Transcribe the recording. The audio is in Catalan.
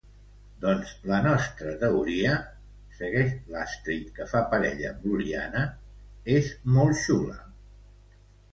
Doncs la nostra teoria —segueix l'Astrid, que fa parella amb l'Oriana— és molt xula.